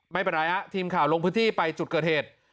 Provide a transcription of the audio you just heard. ไม่เป็นไรฮะทีมข่าวลงพื้นที่ไปจุดเกิดเหตุ